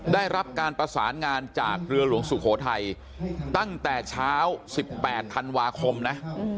ได้รับการประสานงานจากเรือหลวงสุโขทัยตั้งแต่เช้า๑๘ธันวาคมนะ